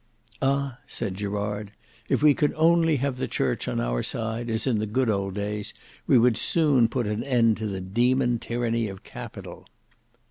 "Ah!" said Gerard, "if we could only have the Church on our side, as in the good old days, we would soon put an end to the demon tyranny of Capital."